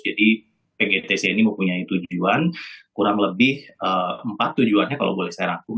jadi pgtc ini mempunyai tujuan kurang lebih empat tujuannya kalau boleh saya rangkum